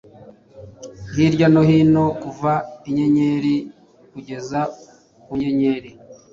hirya no hino kuva inyenyeri kugeza ku nyenyeri,